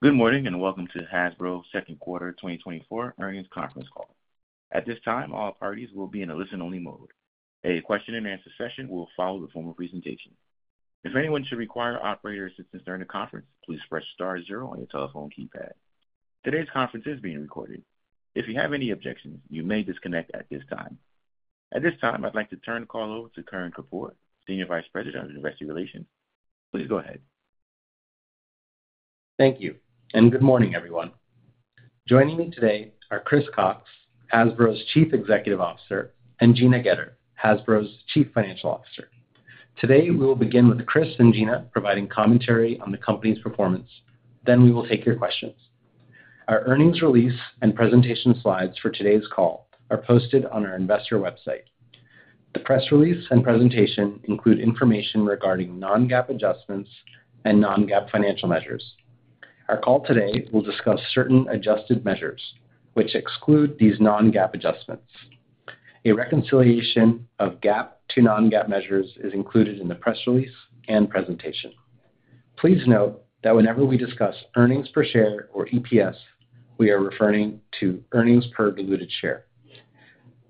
Good morning, and welcome to Hasbro's second quarter 2024 earnings conference call. At this time, all parties will be in a listen-only mode. A question-and-answer session will follow the formal presentation. If anyone should require operator assistance during the conference, please press star zero on your telephone keypad. Today's conference is being recorded. If you have any objections, you may disconnect at this time. At this time, I'd like to turn the call over to Kern Kapoor, Senior Vice President of Investor Relations. Please go ahead. Thank you, and good morning, everyone. Joining me today are Chris Cocks, Hasbro's Chief Executive Officer, and Gina Goetter, Hasbro's Chief Financial Officer. Today, we will begin with Chris and Gina providing commentary on the company's performance, then we will take your questions. Our earnings release and presentation slides for today's call are posted on our investor website. The press release and presentation include information regarding non-GAAP adjustments and non-GAAP financial measures. Our call today will discuss certain adjusted measures which exclude these non-GAAP adjustments. A reconciliation of GAAP to non-GAAP measures is included in the press release and presentation. Please note that whenever we discuss earnings per share, or EPS, we are referring to earnings per diluted share.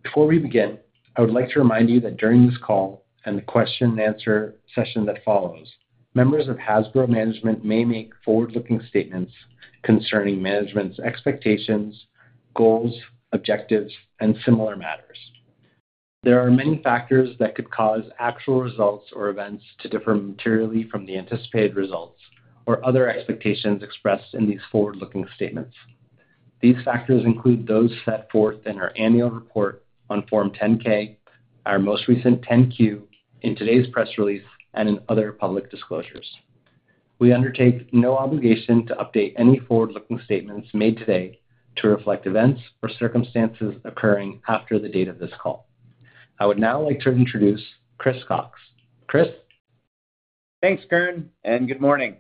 Before we begin, I would like to remind you that during this call and the question-and-answer session that follows, members of Hasbro management may make forward-looking statements concerning management's expectations, goals, objectives, and similar matters. There are many factors that could cause actual results or events to differ materially from the anticipated results or other expectations expressed in these forward-looking statements. These factors include those set forth in our annual report on Form 10-K, our most recent 10-Q, in today's press release, and in other public disclosures. We undertake no obligation to update any forward-looking statements made today to reflect events or circumstances occurring after the date of this call. I would now like to introduce Chris Cocks. Chris? Thanks, Kern, and good morning.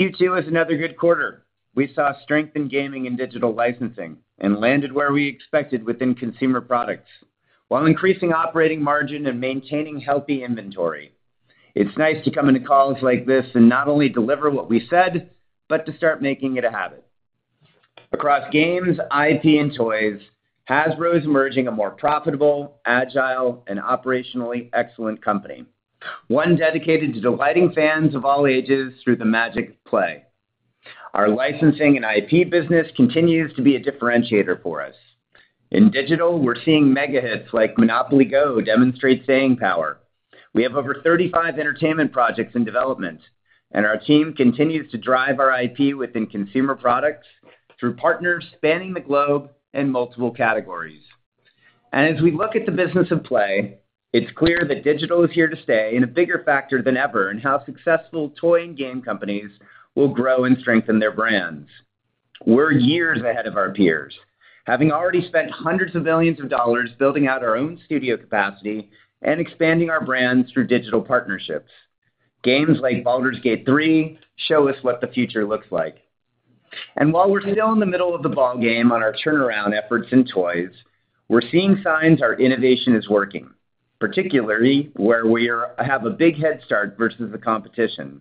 Q2 was another good quarter. We saw strength in gaming and digital licensing and landed where we expected within consumer products, while increasing operating margin and maintaining healthy inventory. It's nice to come into calls like this and not only deliver what we said, but to start making it a habit. Across games, IP, and toys, Hasbro is emerging a more profitable, agile, and operationally excellent company, one dedicated to delighting fans of all ages through the magic of play. Our licensing and IP business continues to be a differentiator for us. In digital, we're seeing mega hits like MONOPOLY GO! demonstrate staying power. We have over 35 entertainment projects in development, and our team continues to drive our IP within consumer products through partners spanning the globe in multiple categories. As we look at the business of play, it's clear that digital is here to stay and a bigger factor than ever in how successful toy and game companies will grow and strengthen their brands. We're years ahead of our peers, having already spent hundreds of millions building out our own studio capacity and expanding our brands through digital partnerships. Games like Baldur's Gate 3 show us what the future looks like. While we're still in the middle of the ball game on our turnaround efforts in toys, we're seeing signs our innovation is working, particularly where we have a big head start versus the competition.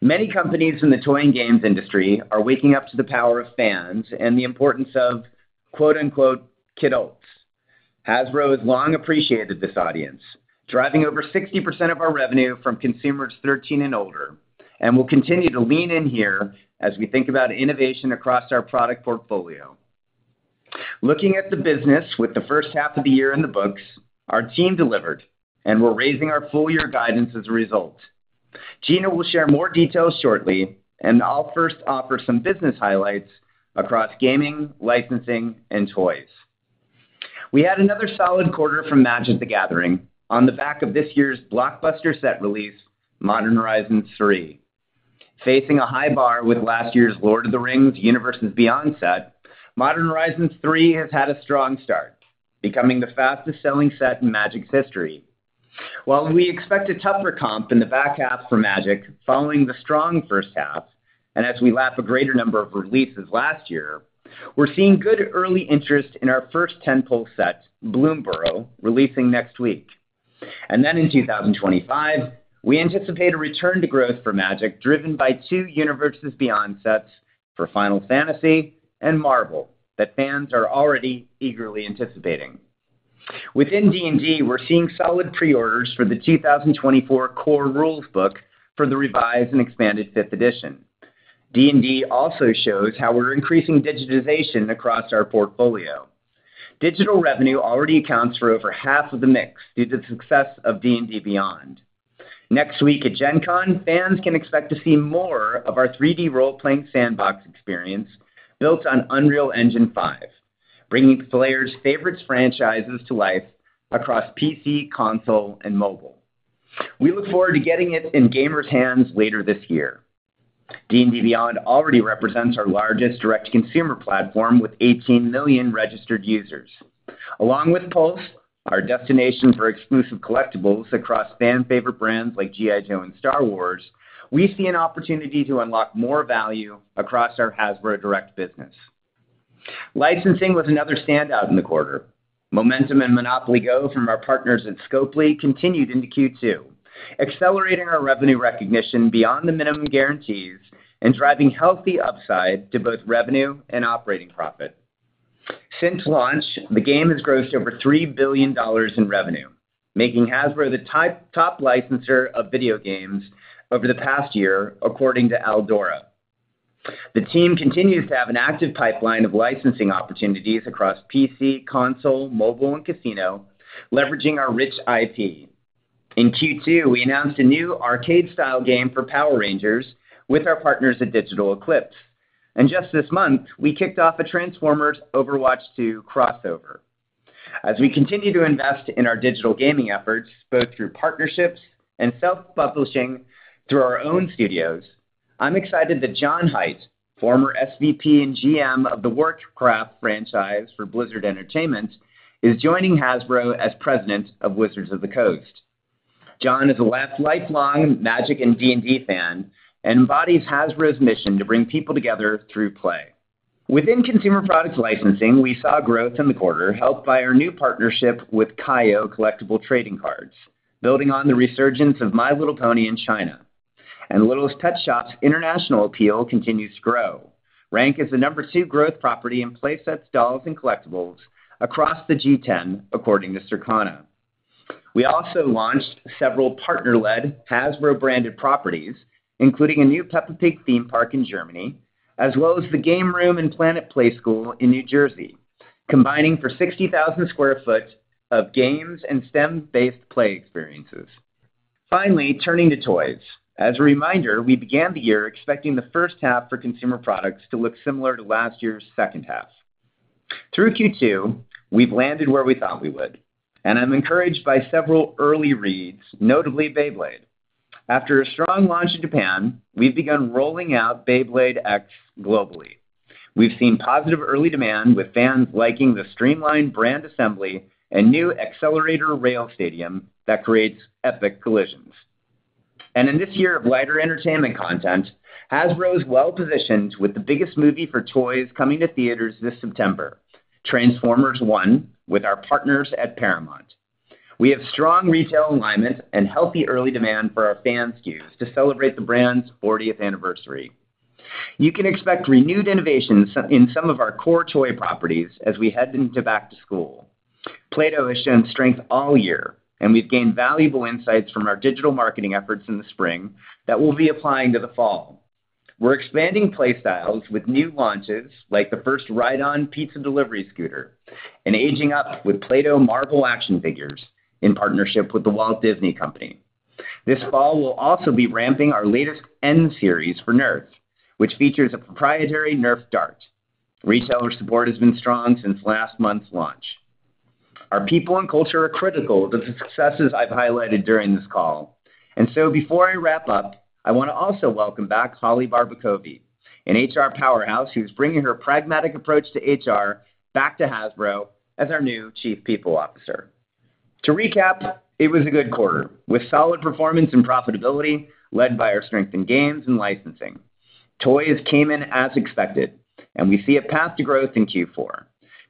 Many companies in the toy and games industry are waking up to the power of fans and the importance of, quote, unquote, "kidults." Hasbro has long appreciated this audience, driving over 60% of our revenue from consumers 13 and older, and will continue to lean in here as we think about innovation across our product portfolio. Looking at the business with the first half of the year in the books, our team delivered, and we're raising our full year guidance as a result. Gina will share more details shortly, and I'll first offer some business highlights across gaming, licensing, and toys. We had another solid quarter from Magic: The Gathering on the back of this year's blockbuster set release, Modern Horizons 3. Facing a high bar with last year's Lord of the Rings: Universes Beyond set, Modern Horizons 3 has had a strong start, becoming the fastest-selling set in Magic's history. While we expect a tougher comp in the back half for Magic following the strong first half, and as we lap a greater number of releases last year, we're seeing good early interest in our first tentpole set, Bloomburrow, releasing next week. And then in 2025, we anticipate a return to growth for Magic, driven by two Universes Beyond sets for Final Fantasy and Marvel that fans are already eagerly anticipating. Within D&D, we're seeing solid pre-orders for the 2024 Core Rules book for the revised and expanded fifth edition. D&D also shows how we're increasing digitization across our portfolio. Digital revenue already accounts for over half of the mix due to the success of D&D Beyond. Next week at Gen Con, fans can expect to see more of our 3D role-playing sandbox experience built on Unreal Engine 5, bringing players' favorites franchises to life across PC, console, and mobile. We look forward to getting it in gamers' hands later this year. D&D Beyond already represents our largest direct-to-consumer platform, with 18 million registered users. Along with Pulse, our destinations for exclusive collectibles across fan-favorite brands like G.I. Joe and Star Wars, we see an opportunity to unlock more value across our Hasbro direct business. Licensing was another standout in the quarter. Momentum and MONOPOLY GO! from our partners at Scopely continued into Q2, accelerating our revenue recognition beyond the minimum guarantees and driving healthy upside to both revenue and operating profit. Since launch, the game has grossed over $3 billion in revenue, making Hasbro the top licenser of video games over the past year, according to Aldora. The team continues to have an active pipeline of licensing opportunities across PC, console, mobile, and casino, leveraging our rich IP. In Q2, we announced a new arcade-style game for Power Rangers with our partners at Digital Eclipse. And just this month, we kicked off a Transformers Overwatch 2 crossover. As we continue to invest in our digital gaming efforts, both through partnerships and self-publishing through our own studios, I'm excited that John Hight, former SVP and GM of the Warcraft franchise for Blizzard Entertainment, is joining Hasbro as President of Wizards of the Coast. John is a lifelong Magic and D&D fan and embodies Hasbro's mission to bring people together through play. Within consumer products licensing, we saw growth in the quarter, helped by our new partnership with Kayou Collectible Trading Cards, building on the resurgence of My Little Pony in China. Littlest Pet Shop's international appeal continues to grow. It ranks as the number two growth property in play sets, dolls, and collectibles across the G10, according to Circana. We also launched several partner-led, Hasbro-branded properties, including a new Peppa Pig theme park in Germany, as well as The Game Room and Planet Playskool in New Jersey, combining for 60,000 sq ft of games and STEM-based play experiences. Finally, turning to toys. As a reminder, we began the year expecting the first half for consumer products to look similar to last year's second half. Through Q2, we've landed where we thought we would, and I'm encouraged by several early reads, notably Beyblade. After a strong launch in Japan, we've begun rolling out Beyblade X globally. We've seen positive early demand, with fans liking the streamlined brand assembly and new accelerator rail stadium that creates epic collisions. And in this year of wider entertainment content, Hasbro is well-positioned with the biggest movie for toys coming to theaters this September, Transformers One, with our partners at Paramount. We have strong retail alignment and healthy early demand for our fan SKUs to celebrate the brand's fortieth anniversary. You can expect renewed innovations in some of our core toy properties as we head into back to school. Play-Doh has shown strength all year, and we've gained valuable insights from our digital marketing efforts in the spring that we'll be applying to the fall. We're expanding play styles with new launches, like the first ride-on pizza delivery scooter and aging up with Play-Doh Marvel action figures in partnership with The Walt Disney Company. This fall, we'll also be ramping our latest NERF N Series, which features a proprietary NERF dart. Retailer support has been strong since last month's launch. Our people and culture are critical to the successes I've highlighted during this call. And so before I wrap up, I want to also welcome back Holly Barbacovi, an HR powerhouse who's bringing her pragmatic approach to HR back to Hasbro as our new Chief People Officer. To recap, it was a good quarter, with solid performance and profitability, led by our strength in games and licensing. Toys came in as expected, and we see a path to growth in Q4,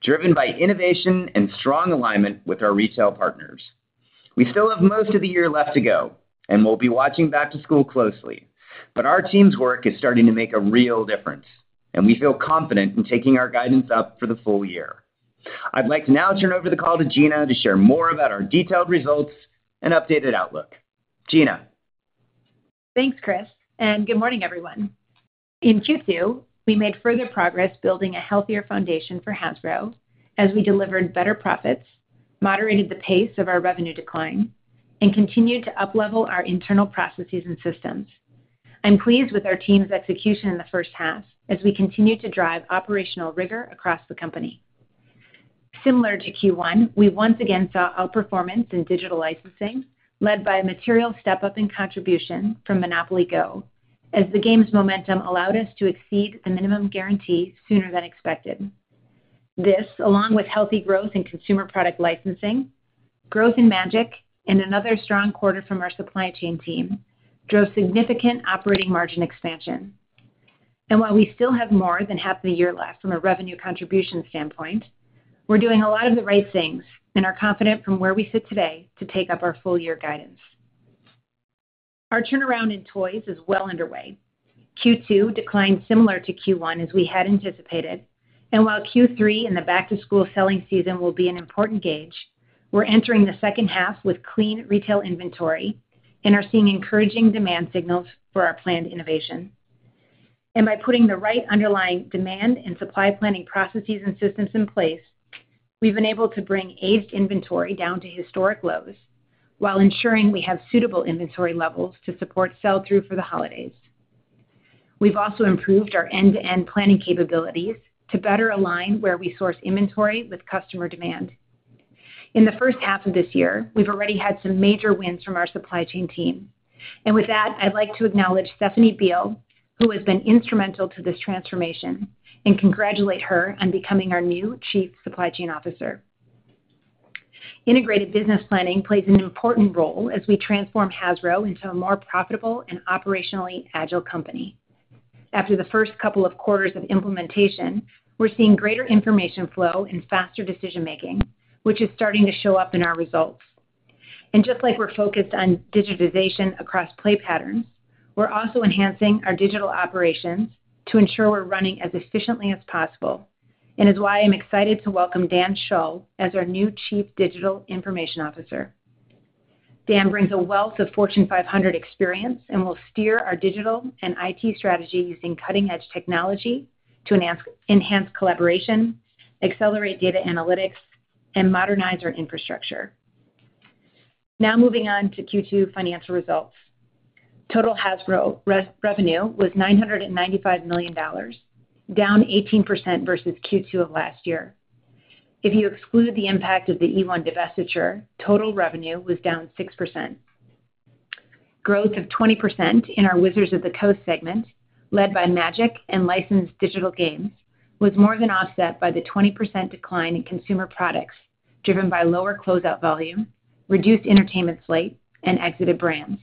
driven by innovation and strong alignment with our retail partners. We still have most of the year left to go, and we'll be watching back to school closely, but our team's work is starting to make a real difference, and we feel confident in taking our guidance up for the full year. I'd like to now turn over the call to Gina to share more about our detailed results and updated outlook. Gina? Thanks, Chris, and good morning, everyone. In Q2, we made further progress building a healthier foundation for Hasbro as we delivered better profits, moderated the pace of our revenue decline, and continued to uplevel our internal processes and systems. I'm pleased with our team's execution in the first half as we continue to drive operational rigor across the company. Similar to Q1, we once again saw outperformance in digital licensing, led by a material step-up in contribution from MONOPOLY GO! as the game's momentum allowed us to exceed the minimum guarantee sooner than expected. This, along with healthy growth in consumer product licensing, growth in Magic, and another strong quarter from our supply chain team, drove significant operating margin expansion. While we still have more than half the year left from a revenue contribution standpoint, we're doing a lot of the right things and are confident from where we sit today to take up our full year guidance. Our turnaround in toys is well underway. Q2 declined similar to Q1, as we had anticipated, and while Q3 and the back-to-school selling season will be an important gauge, we're entering the second half with clean retail inventory and are seeing encouraging demand signals for our planned innovation. By putting the right underlying demand and supply planning processes and systems in place, we've been able to bring aged inventory down to historic lows while ensuring we have suitable inventory levels to support sell-through for the holidays. We've also improved our end-to-end planning capabilities to better align where we source inventory with customer demand. In the first half of this year, we've already had some major wins from our supply chain team, and with that, I'd like to acknowledge Stephanie Beal, who has been instrumental to this transformation, and congratulate her on becoming our new Chief Supply Chain Officer. Integrated business planning plays an important role as we transform Hasbro into a more profitable and operationally agile company. After the first couple of quarters of implementation, we're seeing greater information flow and faster decision-making, which is starting to show up in our results. And just like we're focused on digitization across play patterns, we're also enhancing our digital operations to ensure we're running as efficiently as possible, and is why I'm excited to welcome Dan Shull as our new Chief Digital Information Officer. Dan brings a wealth of Fortune 500 experience and will steer our digital and IT strategy using cutting-edge technology to enhance collaboration, accelerate data analytics, and modernize our infrastructure. Now moving on to Q2 financial results. Total Hasbro revenue was $995 million, down 18% versus Q2 of last year. If you exclude the impact of the eOne divestiture, total revenue was down 6%. Growth of 20% in our Wizards of the Coast segment, led by Magic and licensed digital games, was more than offset by the 20% decline in consumer products, driven by lower closeout volume, reduced entertainment slate, and exited brands.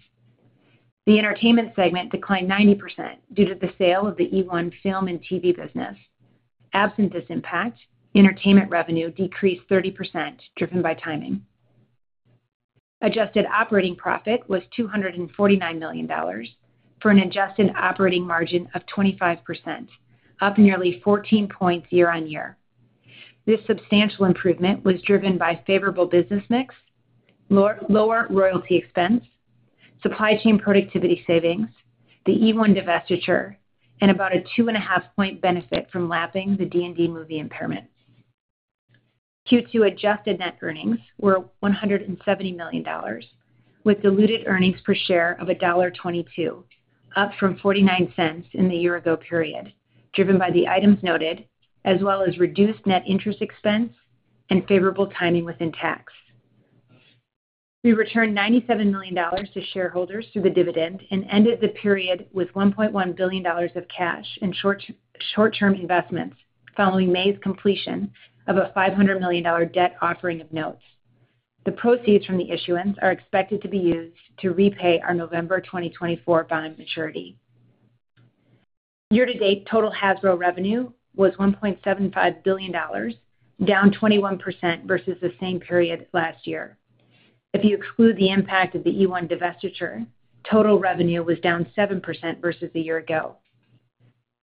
The entertainment segment declined 90% due to the sale of the eOne film and TV business. Absent this impact, entertainment revenue decreased 30%, driven by timing. Adjusted operating profit was $249 million, for an adjusted operating margin of 25%, up nearly 14 points year-on-year. This substantial improvement was driven by favorable business mix, lower royalty expense, supply chain productivity savings, the eOne divestiture, and about a 2.5-point benefit from lapping the D&D movie impairment. Q2 adjusted net earnings were $170 million, with diluted earnings per share of $1.22, up from $0.49 in the year ago period, driven by the items noted, as well as reduced net interest expense and favorable timing within tax. We returned $97 million to shareholders through the dividend and ended the period with $1.1 billion of cash and short-term investments, following May's completion of a $500 million debt offering of notes. The proceeds from the issuance are expected to be used to repay our November 2024 bond maturity. Year-to-date, total Hasbro revenue was $1.75 billion, down 21% versus the same period last year. If you exclude the impact of the eOne divestiture, total revenue was down 7% versus a year ago.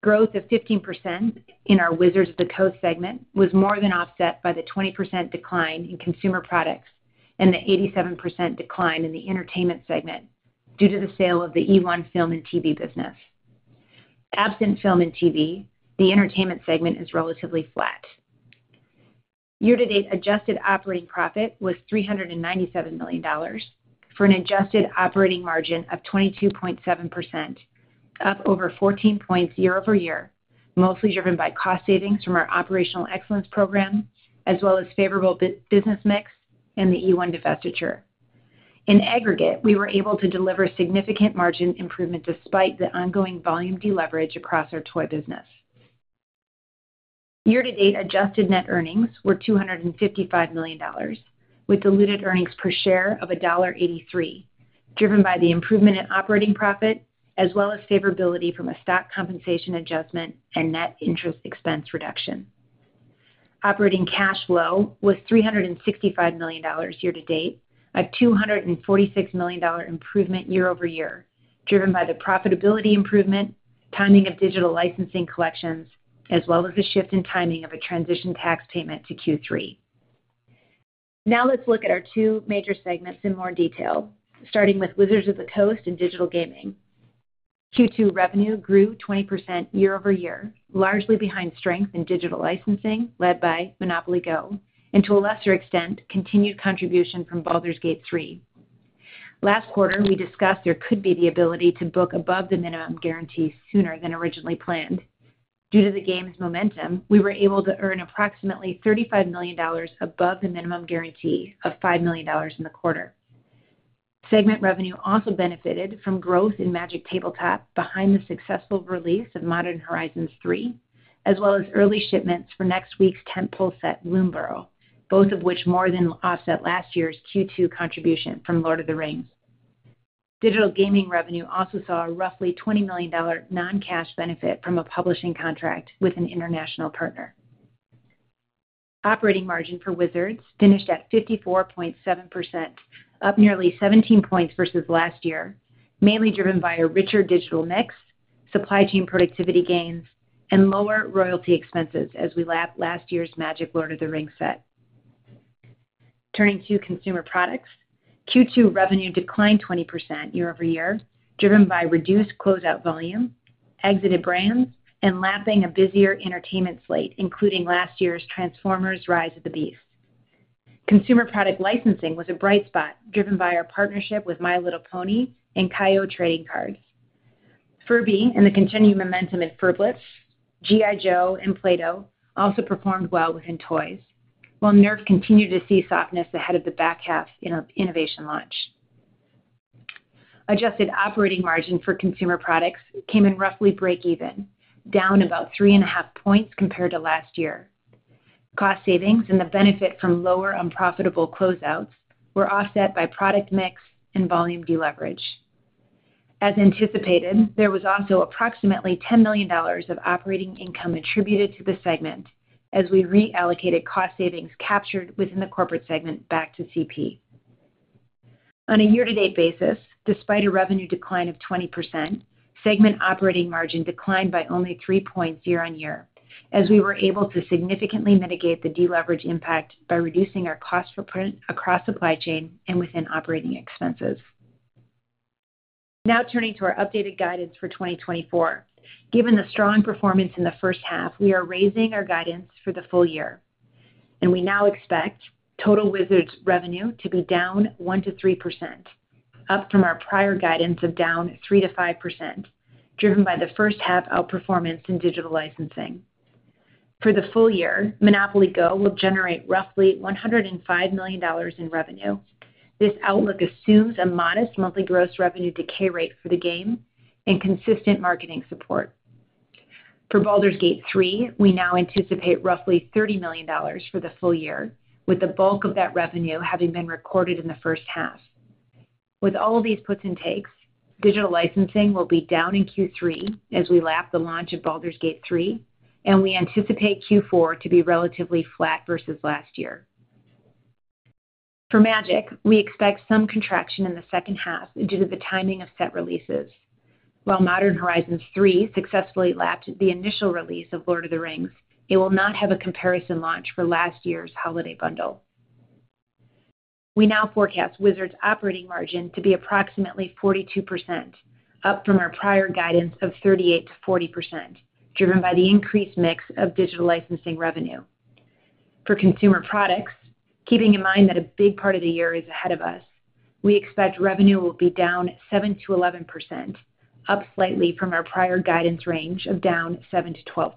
Growth of 15% in our Wizards of the Coast segment was more than offset by the 20% decline in consumer products and the 87% decline in the entertainment segment due to the sale of the eOne film and TV business. Absent film and TV, the entertainment segment is relatively flat. Year-to-date adjusted operating profit was $397 million, for an adjusted operating margin of 22.7%, up over 14 points year-over-year, mostly driven by cost savings from our operational excellence program, as well as favorable business mix and the eOne divestiture. In aggregate, we were able to deliver significant margin improvement despite the ongoing volume deleverage across our toy business. Year-to-date adjusted net earnings were $255 million, with diluted earnings per share of $1.83, driven by the improvement in operating profit, as well as favorability from a stock compensation adjustment and net interest expense reduction. Operating cash flow was $365 million year to date, a $246 million improvement year-over-year, driven by the profitability improvement, timing of digital licensing collections, as well as a shift in timing of a transition tax payment to Q3. Now let's look at our two major segments in more detail, starting with Wizards of the Coast and Digital Gaming. Q2 revenue grew 20% year-over-year, largely behind strength in digital licensing, led by MONOPOLY GO!, and to a lesser extent, continued contribution from Baldur's Gate 3. Last quarter, we discussed there could be the ability to book above the minimum guarantee sooner than originally planned. Due to the game's momentum, we were able to earn approximately $35 million above the minimum guarantee of $5 million in the quarter. Segment revenue also benefited from growth in Magic Tabletop behind the successful release of Modern Horizons 3, as well as early shipments for next week's tentpole set, Bloomburrow, both of which more than offset last year's Q2 contribution from Lord of the Rings. Digital gaming revenue also saw a roughly $20 million non-cash benefit from a publishing contract with an international partner. Operating margin for Wizards finished at 54.7%, up nearly 17 points versus last year, mainly driven by a richer digital mix, supply chain productivity gains, and lower royalty expenses as we lapped last year's Magic Lord of the Rings set. Turning to consumer products, Q2 revenue declined 20% year-over-year, driven by reduced closeout volume, exited brands, and lapping a busier entertainment slate, including last year's Transformers: Rise of the Beasts. Consumer product licensing was a bright spot, driven by our partnership with My Little Pony and Kayou Trading Cards. Furby and the continuing momentum at Furblets, G.I. Joe and Play-Doh also performed well within toys, while NERF continued to see softness ahead of the back half innovation launch. Adjusted operating margin for consumer products came in roughly breakeven, down about 3.5 points compared to last year. Cost savings and the benefit from lower unprofitable closeouts were offset by product mix and volume deleverage. As anticipated, there was also approximately $10 million of operating income attributed to the segment as we reallocated cost savings captured within the corporate segment back to CP. On a year-to-date basis, despite a revenue decline of 20%, segment operating margin declined by only 3 points year-on-year, as we were able to significantly mitigate the deleverage impact by reducing our cost per print across supply chain and within operating expenses. Now turning to our updated guidance for 2024. Given the strong performance in the first half, we are raising our guidance for the full year, and we now expect total Wizards revenue to be down 1%-3%, up from our prior guidance of down 3%-5%, driven by the first half outperformance in digital licensing. For the full year, MONOPOLY GO! will generate roughly $105 million in revenue. This outlook assumes a modest monthly gross revenue decay rate for the game and consistent marketing support. For Baldur's Gate 3, we now anticipate roughly $30 million for the full year, with the bulk of that revenue having been recorded in the first half. With all of these puts and takes, digital licensing will be down in Q3 as we lap the launch of Baldur's Gate 3, and we anticipate Q4 to be relatively flat versus last year. For Magic, we expect some contraction in the second half due to the timing of set releases. While Modern Horizons 3 successfully lapped the initial release of Lord of the Rings, it will not have a comparison launch for last year's holiday bundle. We now forecast Wizards operating margin to be approximately 42%, up from our prior guidance of 38%-40%, driven by the increased mix of digital licensing revenue. For Consumer Products, keeping in mind that a big part of the year is ahead of us, we expect revenue will be down 7%-11%, up slightly from our prior guidance range of down 7%-12%.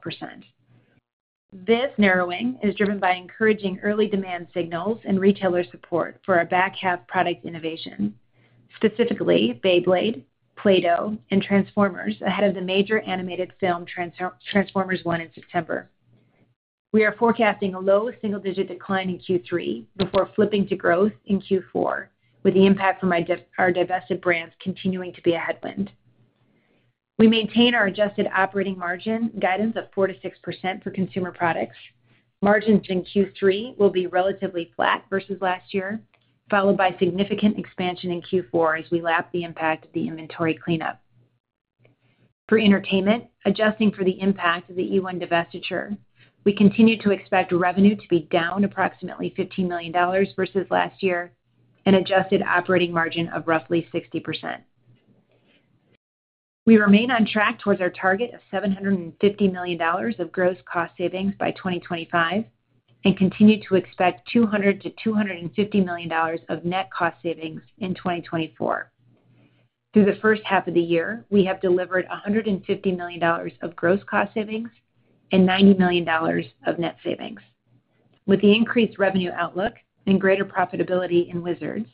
This narrowing is driven by encouraging early demand signals and retailer support for our back half product innovation, specifically, Beyblade, Play-Doh, and Transformers, ahead of the major animated film Transformers One in September. We are forecasting a low single-digit decline in Q3 before flipping to growth in Q4, with the impact from our divested brands continuing to be a headwind. We maintain our adjusted operating margin guidance of 4%-6% for Consumer Products. Margins in Q3 will be relatively flat versus last year, followed by significant expansion in Q4 as we lap the impact of the inventory cleanup. For entertainment, adjusting for the impact of the eOne divestiture, we continue to expect revenue to be down approximately $15 million versus last year and adjusted operating margin of roughly 60%. We remain on track towards our target of $750 million of gross cost savings by 2025 and continue to expect $200 million-$250 million of net cost savings in 2024. Through the first half of the year, we have delivered $150 million of gross cost savings and $90 million of net savings. With the increased revenue outlook and greater profitability in Wizards,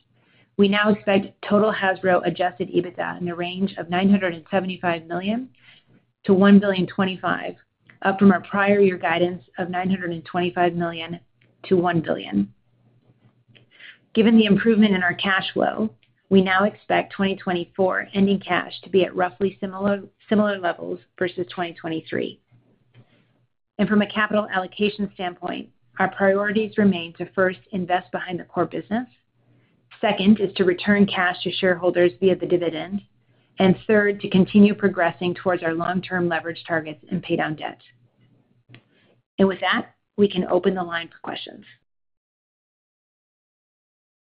we now expect total Hasbro adjusted EBITDA in the range of $975 million-$1.025 billion, up from our prior year guidance of $925 million-$1 billion. Given the improvement in our cash flow, we now expect 2024 ending cash to be at roughly similar levels versus 2023. From a capital allocation standpoint, our priorities remain to, first, invest behind the core business. Second, is to return cash to shareholders via the dividend, and third, to continue progressing towards our long-term leverage targets and pay down debt. With that, we can open the line for questions.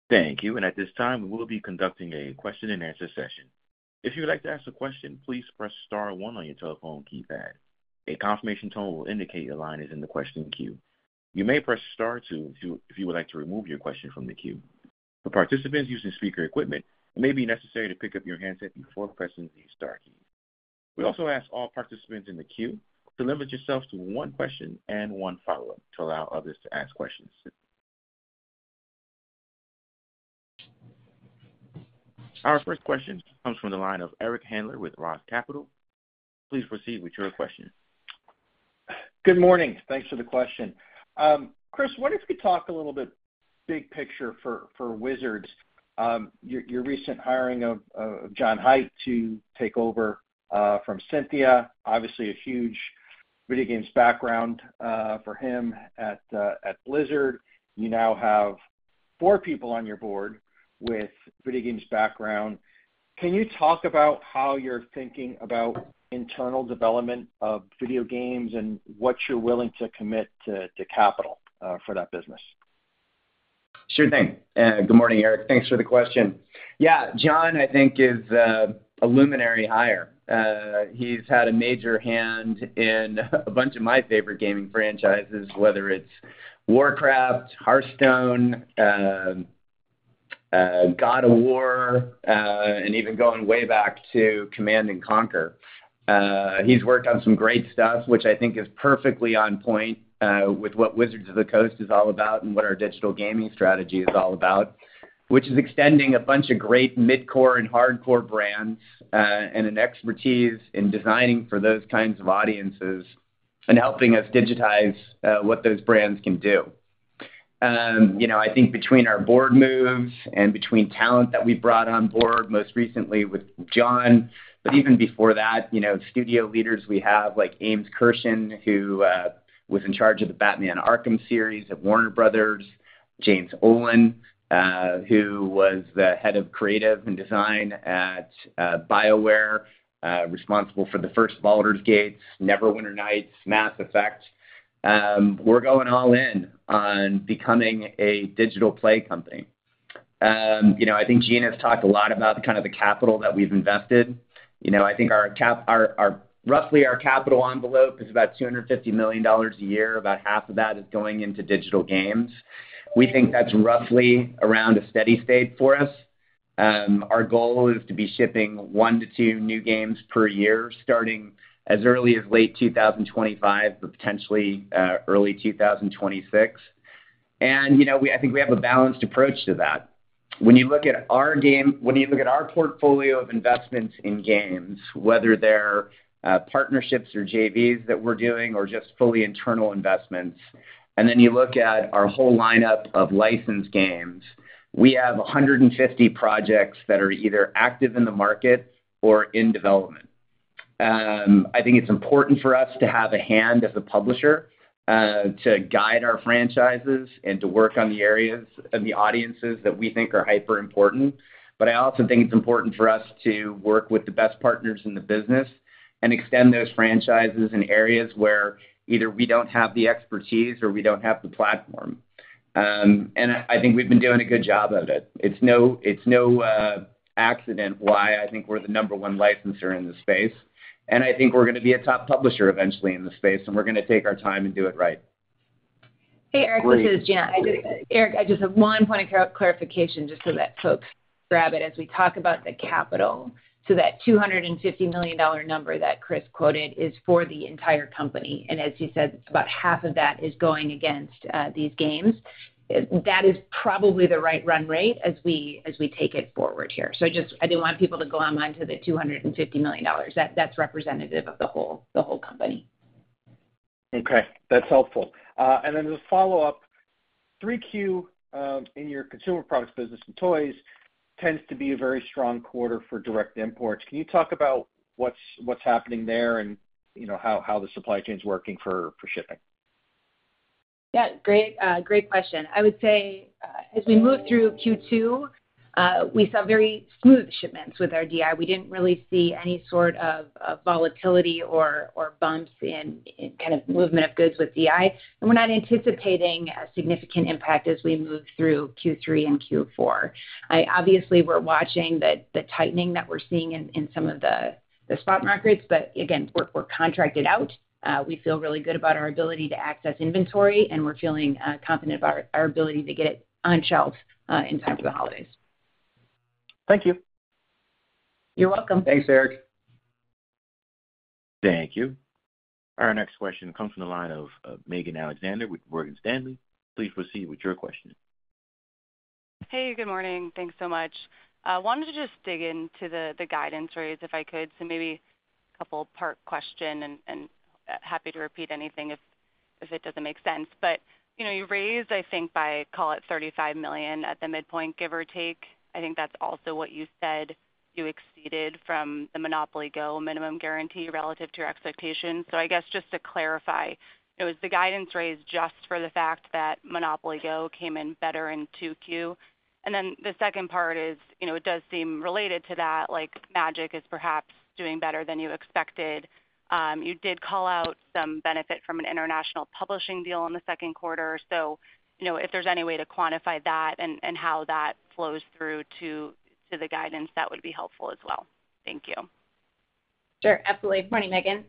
Thank you. At this time, we will be conducting a question-and-answer session. If you would like to ask a question, please press star one on your telephone keypad. A confirmation tone will indicate your line is in the question queue. You may press star two if you would like to remove your question from the queue. For participants using speaker equipment, it may be necessary to pick up your handset before pressing the star key. We also ask all participants in the queue to limit yourselves to one question and one follow-up to allow others to ask questions. Our first question comes from the line of Eric Handler with Roth Capital. Please proceed with your question. Good morning. Thanks for the question. Chris, what if we talk a little bit big picture for Wizards, your recent hiring of John Hight to take over from Cynthia. Obviously, a huge video games background for him at Blizzard. You now have four people on your board with video games background. Can you talk about how you're thinking about internal development of video games and what you're willing to commit to capital for that business? Sure thing. Good morning, Eric. Thanks for the question. Yeah, John, I think, is a luminary hire. He's had a major hand in a bunch of my favorite gaming franchises, whether it's Warcraft, Hearthstone, God of War, and even going way back to Command & Conquer. He's worked on some great stuff, which I think is perfectly on point with what Wizards of the Coast is all about and what our digital gaming strategy is all about, which is extending a bunch of great mid-core and hardcore brands and an expertise in designing for those kinds of audiences.... and helping us digitize, what those brands can do. You know, I think between our board moves and between talent that we brought on board, most recently with John, but even before that, you know, studio leaders we have, like Ames Kirshen, who was in charge of the Batman: Arkham series at Warner Bros. James Ohlen, who was the head of creative and design at BioWare, responsible for the first Baldur's Gate, Neverwinter Nights, Mass Effect. We're going all in on becoming a digital play company. You know, I think Gina has talked a lot about the kind of the capital that we've invested. You know, I think our capital envelope is about $250 million a year. About half of that is going into digital games. We think that's roughly around a steady state for us. Our goal is to be shipping one to two new games per year, starting as early as late 2025, but potentially early 2026. And, you know, I think we have a balanced approach to that. When you look at our portfolio of investments in games, whether they're partnerships or JVs that we're doing or just fully internal investments, and then you look at our whole lineup of licensed games, we have 150 projects that are either active in the market or in development. I think it's important for us to have a hand as a publisher to guide our franchises and to work on the areas and the audiences that we think are hyper important. But I also think it's important for us to work with the best partners in the business and extend those franchises in areas where either we don't have the expertise or we don't have the platform. I think we've been doing a good job of it. It's no accident why I think we're the number one licensor in the space, and I think we're gonna be a top publisher eventually in the space, and we're gonna take our time and do it right. Hey, Eric, this is Gina. Eric, I just have one point of clarification, just so that folks grab it as we talk about the capital. So that $250 million number that Chris quoted is for the entire company, and as he said, about half of that is going against these games. That is probably the right run rate as we take it forward here. So I just... I didn't want people to go online to the $250 million. That, that's representative of the whole company. Okay, that's helpful. And then as a follow-up, 3Q, in your Consumer Products business and toys tends to be a very strong quarter for direct imports. Can you talk about what's happening there and, you know, how the supply chain is working for shipping? Yeah, great, great question. I would say, as we moved through Q2, we saw very smooth shipments with our DI. We didn't really see any sort of volatility or bumps in kind of movement of goods with DI, and we're not anticipating a significant impact as we move through Q3 and Q4. Obviously, we're watching the tightening that we're seeing in some of the spot markets, but again, we're contracted out. We feel really good about our ability to access inventory, and we're feeling confident about our ability to get it on shelves in time for the holidays. Thank you. You're welcome. Thanks, Eric. Thank you. Our next question comes from the line of Megan Alexander with Morgan Stanley. Please proceed with your question. Hey, good morning. Thanks so much. Wanted to just dig into the guidance raise, if I could. So maybe a couple part question, happy to repeat anything if it doesn't make sense. But, you know, you raised, I think, by, call it $35 million at the midpoint, give or take. I think that's also what you said you exceeded from the MONOPOLY GO! minimum guarantee relative to your expectations. So I guess just to clarify, it was the guidance raised just for the fact that MONOPOLY GO! came in better in 2Q. And then the second part is, you know, it does seem related to that, like, Magic is perhaps doing better than you expected. You did call out some benefit from an international publishing deal in the second quarter. So, you know, if there's any way to quantify that and how that flows through to the guidance, that would be helpful as well. Thank you. Sure, absolutely. Morning, Megan.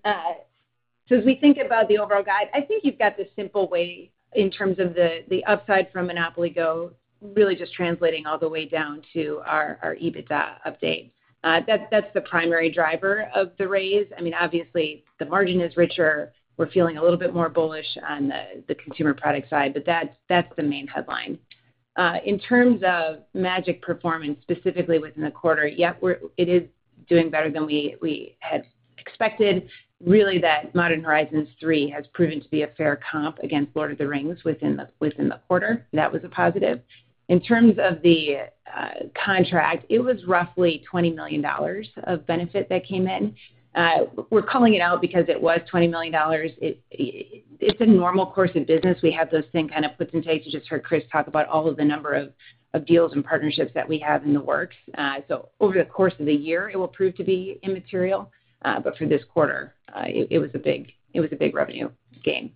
So as we think about the overall guide, I think you've got the simple way in terms of the upside from MONOPOLY GO!, really just translating all the way down to our EBITDA update. That's the primary driver of the raise. I mean, obviously, the margin is richer. We're feeling a little bit more bullish on the consumer product side, but that's the main headline. In terms of Magic performance, specifically within the quarter, yeah, it is doing better than we had expected. Really, that Modern Horizons 3 has proven to be a fair comp against Lord of the Rings within the quarter. That was a positive. In terms of the contract, it was roughly $20 million of benefit that came in. We're calling it out because it was $20 million. It's a normal course of business. We have those same kind of puts and takes. You just heard Chris talk about all of the number of, of deals and partnerships that we have in the works. So over the course of the year, it will prove to be immaterial, but for this quarter, it was a big, it was a big revenue gain.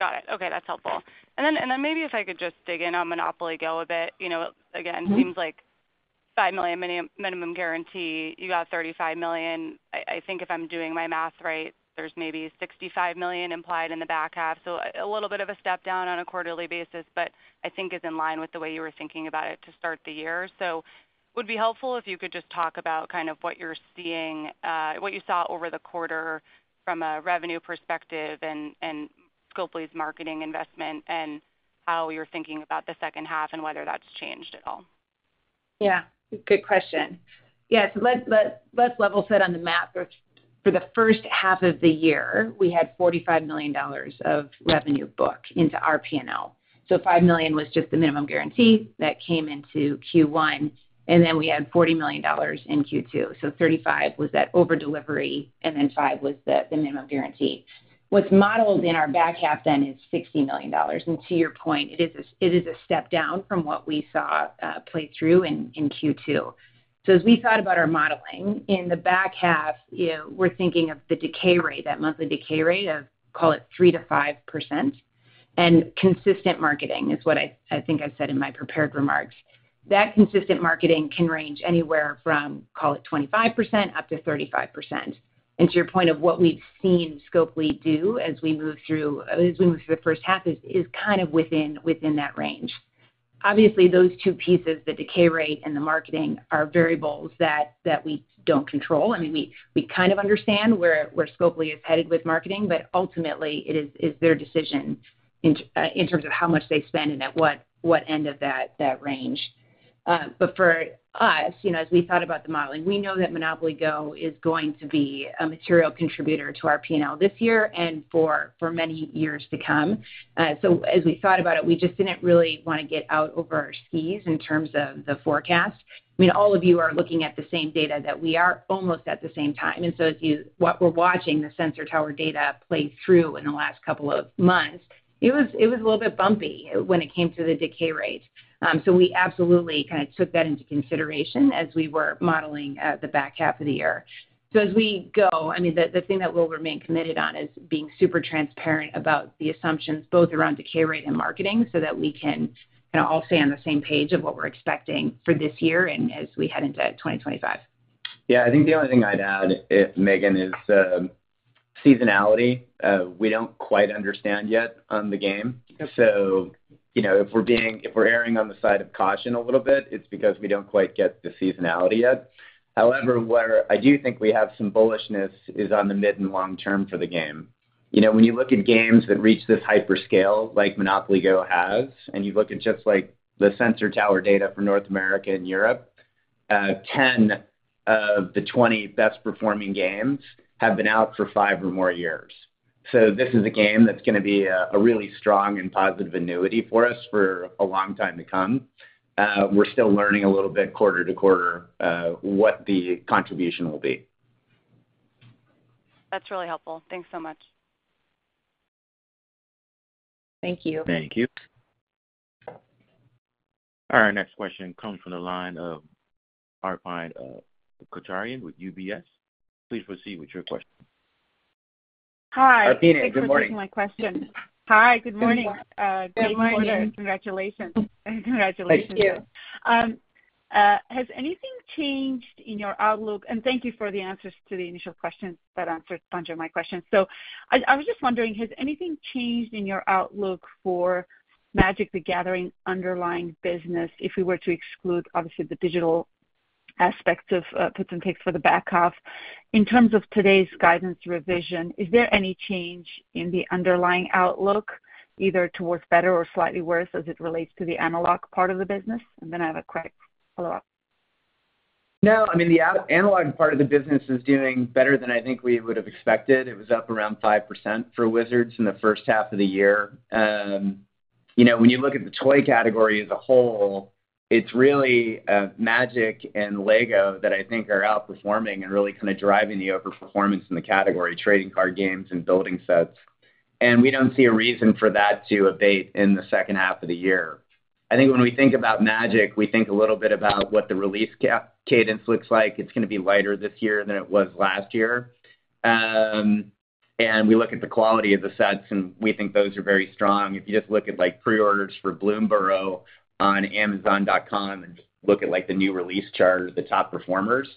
Got it. Okay, that's helpful. And then maybe if I could just dig in on MONOPOLY GO! a bit. You know, again, seems like $5 million minimum guarantee. You got $35 million. I think if I'm doing my math right, there's maybe $65 million implied in the back half, so a little bit of a step down on a quarterly basis, but I think is in line with the way you were thinking about it to start the year. So would it be helpful if you could just talk about kind of what you're seeing, what you saw over the quarter from a revenue perspective and Scopely's marketing investment, and how you're thinking about the second half and whether that's changed at all?... Yeah, good question. Yes, let's level set on the math. For the first half of the year, we had $45 million of revenue booked into our P&L. So $5 million was just the minimum guarantee that came into Q1, and then we had $40 million in Q2. So $35 million was that over delivery, and then $5 million was the minimum guarantee. What's modeled in our back half then is $60 million, and to your point, it is a step down from what we saw play through in Q2. So as we thought about our modeling, in the back half, you know, we're thinking of the decay rate, that monthly decay rate of, call it 3%-5%, and consistent marketing, is what I think I said in my prepared remarks. That consistent marketing can range anywhere from, call it 25%-35%. To your point of what we've seen Scopely do as we move through the first half is kind of within that range. Obviously, those two pieces, the decay rate and the marketing, are variables that we don't control. I mean, we kind of understand where Scopely is headed with marketing, but ultimately it is their decision in terms of how much they spend and at what end of that range. But for us, you know, as we thought about the modeling, we know that MONOPOLY GO! is going to be a material contributor to our P&L this year and for many years to come. So as we thought about it, we just didn't really want to get out over our skis in terms of the forecast. I mean, all of you are looking at the same data that we are, almost at the same time. What we're watching, the Sensor Tower data play through in the last couple of months, it was a little bit bumpy when it came to the decay rate. So we absolutely kind of took that into consideration as we were modeling the back half of the year. So as we go, I mean, the thing that we'll remain committed on is being super transparent about the assumptions, both around decay rate and marketing, so that we can kind of all stay on the same page of what we're expecting for this year and as we head into 2025. Yeah, I think the only thing I'd add, Megan, is seasonality. We don't quite understand yet on the game. So, you know, if we're erring on the side of caution a little bit, it's because we don't quite get the seasonality yet. However, where I do think we have some bullishness is on the mid and long term for the game. You know, when you look at games that reach this hyper scale, like MONOPOLY GO! has, and you look at just, like, the Sensor Tower data for North America and Europe, 10 of the 20 best performing games have been out for five or more years. So this is a game that's gonna be a really strong and positive annuity for us for a long time to come. We're still learning a little bit quarter to quarter, what the contribution will be. That's really helpful. Thanks so much. Thank you. Thank you. Our next question comes from the line of Arpine Kocharyan with UBS. Please proceed with your question. Hi. Arpine, good morning. Thanks for taking my question. Hi, good morning. Good morning. Congratulations. Congratulations. Thank you. Has anything changed in your outlook? Thank you for the answers to the initial questions. That answered a bunch of my questions. So I, I was just wondering, has anything changed in your outlook for Magic: The Gathering underlying business, if we were to exclude, obviously, the digital aspects of puts and takes for the back half? In terms of today's guidance revision, is there any change in the underlying outlook, either towards better or slightly worse, as it relates to the analog part of the business? And then I have a quick follow-up. No, I mean, the analog part of the business is doing better than I think we would have expected. It was up around 5% for Wizards in the first half of the year. You know, when you look at the toy category as a whole, it's really, Magic and LEGO that I think are outperforming and really kind of driving the overperformance in the category, trading card games and building sets. And we don't see a reason for that to abate in the second half of the year. I think when we think about Magic, we think a little bit about what the release cadence looks like. It's gonna be lighter this year than it was last year. And we look at the quality of the sets, and we think those are very strong. If you just look at, like, pre-orders for Bloomburrow on amazon.com and just look at, like, the new release chart or the top performers,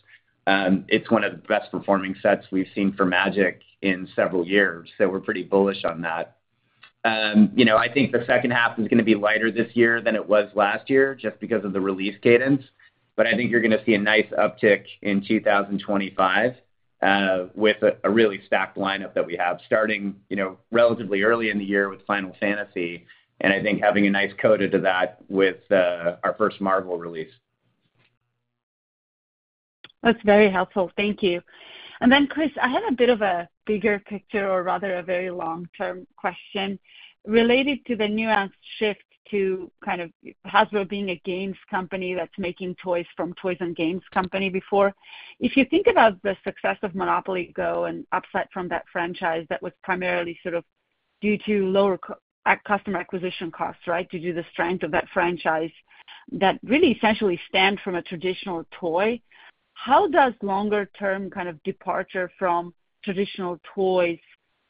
it's one of the best performing sets we've seen for Magic in several years, so we're pretty bullish on that. You know, I think the second half is gonna be lighter this year than it was last year, just because of the release cadence. But I think you're gonna see a nice uptick in 2025, with a really stacked lineup that we have, starting, you know, relatively early in the year with Final Fantasy, and I think having a nice coda to that with our first Marvel release. That's very helpful. Thank you. And then, Chris, I had a bit of a bigger picture, or rather, a very long-term question related to the nuanced shift to kind of Hasbro being a games company that's making toys from a toys and games company before. If you think about the success of MONOPOLY GO! and the upside from that franchise, that was primarily sort of due to lower customer acquisition costs, right? Due to the strength of that franchise, that really essentially stemmed from a traditional toy. How does longer-term kind of departure from traditional toys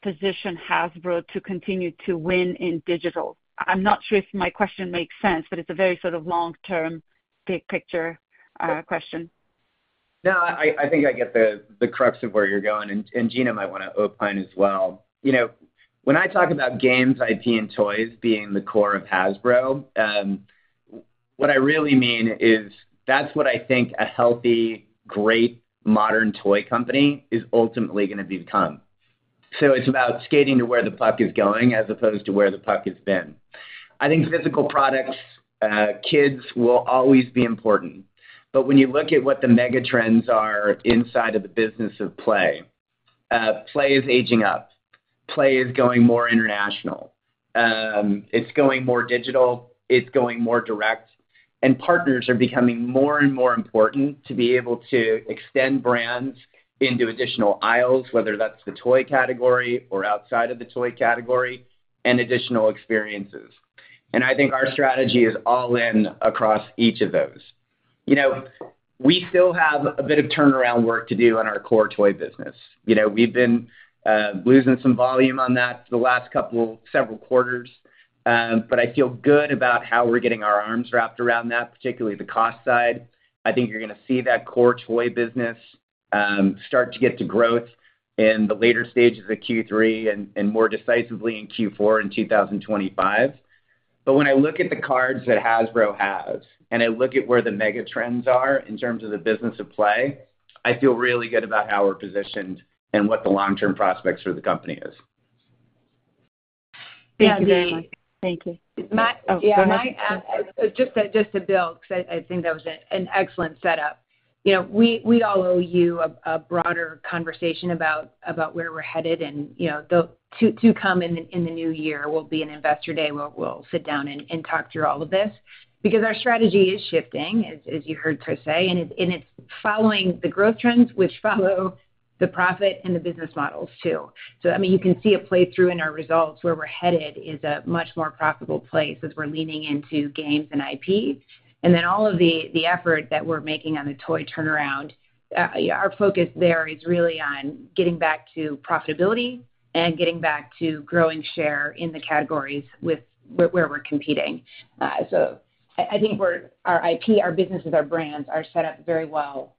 position Hasbro to continue to win in digital? I'm not sure if my question makes sense, but it's a very sort of long-term, big-picture question. No, I think I get the crux of where you're going, and Gina might want to opine as well. You know, when I talk about games, IP and toys being the core of Hasbro, what I really mean is that's what I think a healthy, great, modern toy company is ultimately gonna become.... So it's about skating to where the puck is going, as opposed to where the puck has been. I think physical products, kids will always be important, but when you look at what the mega trends are inside of the business of play, play is aging up. Play is going more international. It's going more digital, it's going more direct, and partners are becoming more and more important to be able to extend brands into additional aisles, whether that's the toy category or outside of the toy category, and additional experiences. I think our strategy is all in across each of those. You know, we still have a bit of turnaround work to do on our core toy business. You know, we've been losing some volume on that for the last couple, several quarters, but I feel good about how we're getting our arms wrapped around that, particularly the cost side. I think you're gonna see that core toy business start to get to growth in the later stages of Q3 and, and more decisively in Q4 in 2025. But when I look at the cards that Hasbro has, and I look at where the mega trends are in terms of the business of play, I feel really good about how we're positioned and what the long-term prospects for the company is. Thank you very much. Thank you. My- Oh, go ahead. Yeah, my just to build, because I think that was an excellent setup. You know, we all owe you a broader conversation about where we're headed and, you know, to come in the new year will be an investor day, where we'll sit down and talk through all of this. Because our strategy is shifting, as you heard Chris say, and it's following the growth trends, which follow the profit and the business models, too. So I mean, you can see it play through in our results. Where we're headed is a much more profitable place as we're leaning into games and IP. And then all of the effort that we're making on the toy turnaround, our focus there is really on getting back to profitability and getting back to growing share in the categories where we're competing. So I think we're, our IP, our businesses, our brands are set up very well,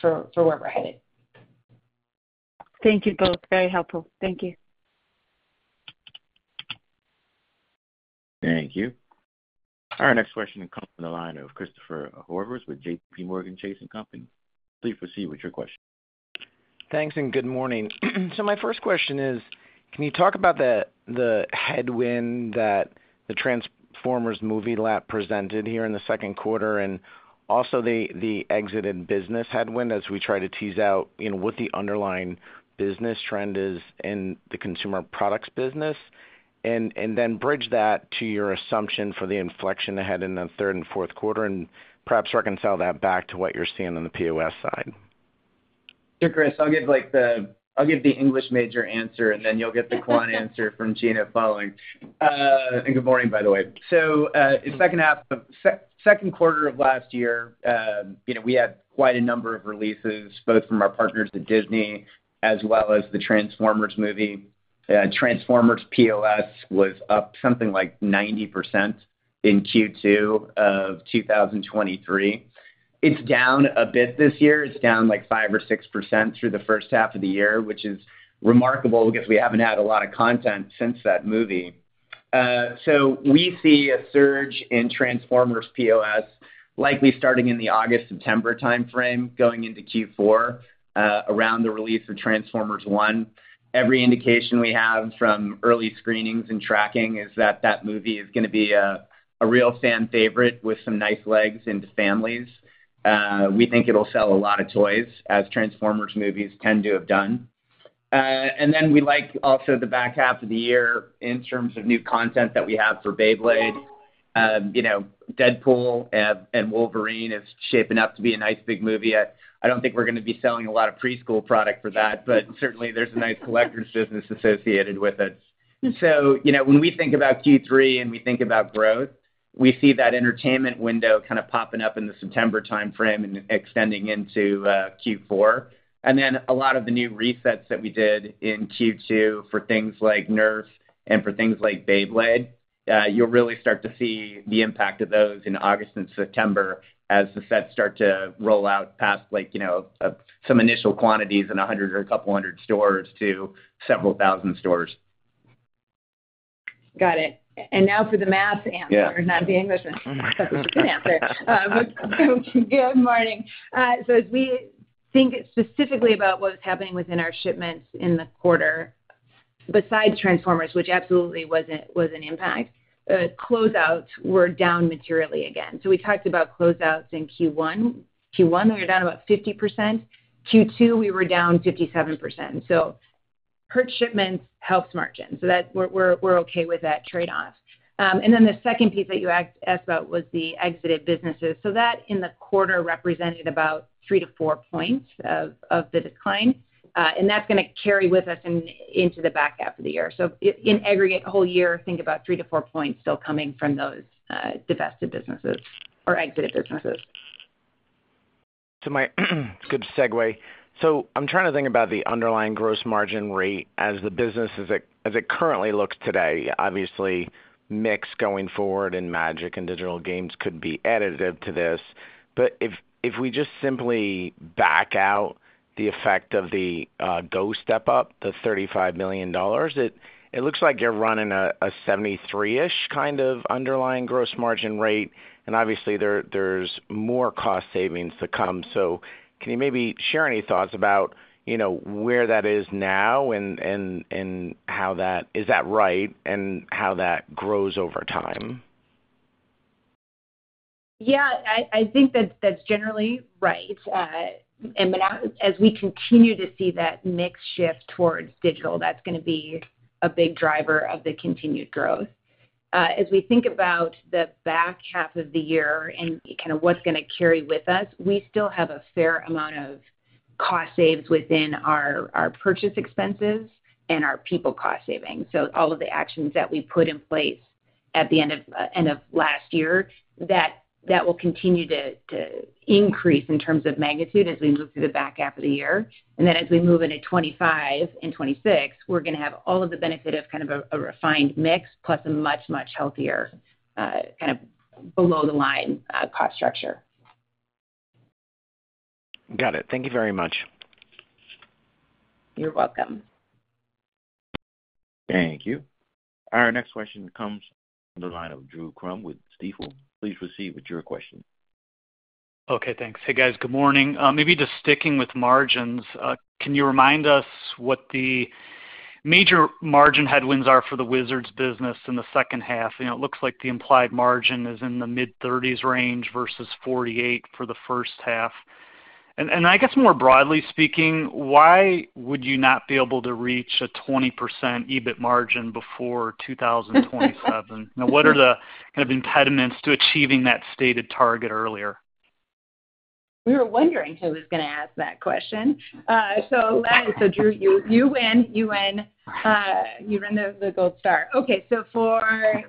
for where we're headed. Thank you both. Very helpful. Thank you. Thank you. Our next question comes from the line of Christopher Horvers with JPMorgan Chase & Co.. Please proceed with your question. Thanks, and good morning. So my first question is, can you talk about the headwind that the Transformers movie lapped presented here in the second quarter, and also the exited business headwind, as we try to tease out, you know, what the underlying business trend is in the consumer products business? And then bridge that to your assumption for the inflection ahead in the third and fourth quarter, and perhaps reconcile that back to what you're seeing on the POS side. So, Chris, I'll give, like, the English major answer, and then you'll get the quant answer from Gina following. And good morning, by the way. So, in second quarter of last year, you know, we had quite a number of releases, both from our partners at Disney, as well as the Transformers movie. Transformers POS was up something like 90% in Q2 of 2023. It's down a bit this year. It's down, like, 5 or 6% through the first half of the year, which is remarkable because we haven't had a lot of content since that movie. So we see a surge in Transformers POS, likely starting in the August-September timeframe, going into Q4, around the release of Transformers One. Every indication we have from early screenings and tracking is that that movie is gonna be a real fan favorite with some nice legs into families. We think it'll sell a lot of toys, as Transformers movies tend to have done. And then we like also the back half of the year in terms of new content that we have for Beyblade. You know, Deadpool & Wolverine is shaping up to be a nice, big movie. I don't think we're gonna be selling a lot of preschool product for that, but certainly there's a nice collector's business associated with it. So, you know, when we think about Q3 and we think about growth, we see that entertainment window kind of popping up in the September timeframe and extending into Q4. Then a lot of the new resets that we did in Q2 for things like NERF and for things like Beyblade, you'll really start to see the impact of those in August and September as the sets start to roll out past, like, you know, some initial quantities in 100 or 200 stores to several thousand stores. Got it. And now for the math answer- Good morning. So as we think specifically about what's happening within our shipments in the quarter, besides Transformers, which absolutely was an impact, closeouts were down materially again. So we talked about closeouts in Q1. Q1, we were down about 50%. Q2, we were down 57%. So per shipments helps margins, so that we're okay with that trade-off. And then the second piece that you asked about was the exited businesses. So that, in the quarter, represented about 3-4 points of the decline, and that's gonna carry with us into the back half of the year. So in aggregate, whole year, think about 3-4 points still coming from those divested businesses or exited businesses. So my, it's a good segue. So I'm trying to think about the underlying gross margin rate as the business as it, as it currently looks today. Obviously, mix going forward in Magic and digital games could be additive to this. But if, if we just simply back out the effect of the GO step up, the $35 million, it, it looks like you're running a 73%-ish kind of underlying gross margin rate, and obviously, there, there's more cost savings to come. So can you maybe share any thoughts about, you know, where that is now and, and, and how that... Is that right, and how that grows over time?... Yeah, I, I think that's, that's generally right. And but as, as we continue to see that mix shift towards digital, that's gonna be a big driver of the continued growth. As we think about the back half of the year and kind of what's gonna carry with us, we still have a fair amount of cost saves within our, our purchase expenses and our people cost savings. So all of the actions that we put in place at the end of, end of last year, that, that will continue to, to increase in terms of magnitude as we move through the back half of the year. And then as we move into 2025 and 2026, we're gonna have all of the benefit of kind of a, a refined mix, plus a much, much healthier, kind of below the line, cost structure. Got it. Thank you very much. You're welcome. Thank you. Our next question comes from the line of Drew Crum with Stifel. Please proceed with your question. Okay, thanks. Hey, guys, good morning. Maybe just sticking with margins, can you remind us what the major margin headwinds are for the Wizards business in the second half? You know, it looks like the implied margin is in the mid-30s range versus 48 for the first half. And, and I guess more broadly speaking, why would you not be able to reach a 20% EBIT margin before 2027? Now, what are the kind of impediments to achieving that stated target earlier? We were wondering who was gonna ask that question. So, Drew, you win the gold star. Okay, so for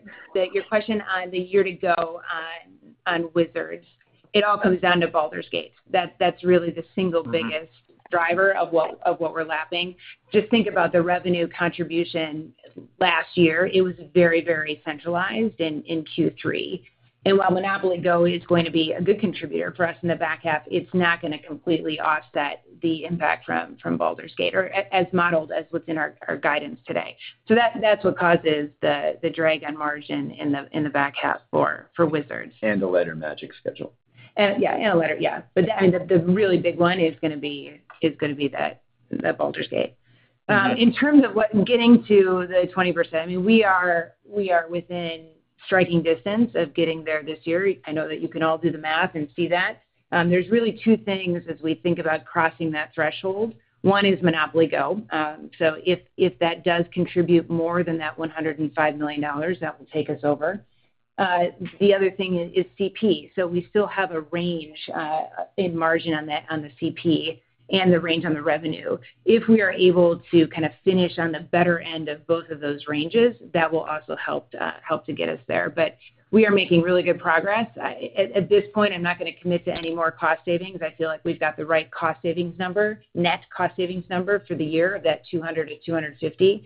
your question on the year to go on, on Wizards, it all comes down to Baldur's Gate. That's really the single biggest- Mm-hmm. driver of what we're lapping. Just think about the revenue contribution last year. It was very, very centralized in Q3. And while MONOPOLY GO! is going to be a good contributor for us in the back half, it's not gonna completely offset the impact from Baldur's Gate or as modeled as what's in our guidance today. So that's what causes the drag on margin in the back half for Wizards. the lighter Magic schedule. And yeah, and a lighter, yeah. But the really big one is gonna be that, the Baldur's Gate. In terms of what getting to the 20%, I mean, we are within striking distance of getting there this year. I know that you can all do the math and see that. There's really two things as we think about crossing that threshold. One is MONOPOLY GO! So if that does contribute more than that $105 million, that will take us over. The other thing is CP. So we still have a range in margin on that, on the CP and the range on the revenue. If we are able to kind of finish on the better end of both of those ranges, that will also help to get us there. But we are making really good progress. At this point, I'm not gonna commit to any more cost savings. I feel like we've got the right cost savings number, net cost savings number for the year, that $200-$250.